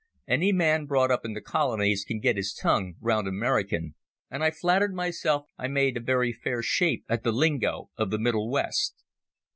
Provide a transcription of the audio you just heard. Any man brought up in the colonies can get his tongue round American, and I flattered myself I made a very fair shape at the lingo of the Middle West.